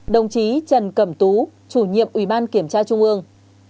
một mươi tám đồng chí trần cẩm tú chủ nhiệm ủy ban kiểm tra trung ương